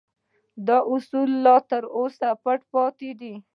دا اصول لا تر اوسه پټ پاتې دي